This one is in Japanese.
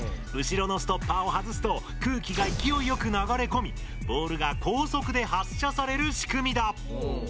後ろのストッパーを外すと空気が勢いよく流れ込みボールが高速で発射される仕組みだ。